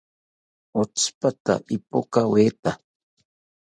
Otsipata ipokaweta